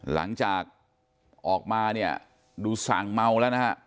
หลังจากออกมาเนี่ยดูสั่งเมาแล้วนะฮะ